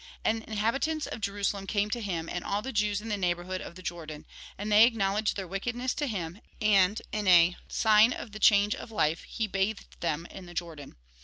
And inhabitants of Jerusalem came to him, and all the Jews in the neighbourhood of the Jordan. And they acknowledged their wickedness to him; and, in sign of the change of life, he bathed them in the Jordan.